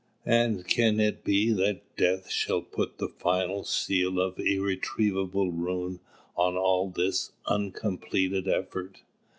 And can it be that death shall put the final seal of irretrievable ruin on all this uncompleted effort?